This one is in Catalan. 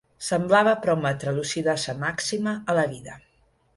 Semblava prometre lucidesa màxima a la vida.